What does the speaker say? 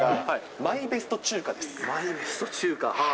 マイベスト中華？